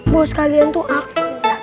bos kalian tuh aku